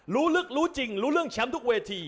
รู้ลึกรู้จริงรู้เรื่องแชมป์ทุกเวที